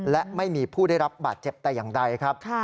และไม่มีผู้ได้รับบาดเจ็บแต่อย่างใดครับ